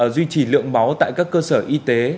duy trì lượng máu tại các cơ sở y tế